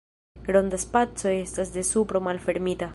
Ronda spaco estas de supro malfermita.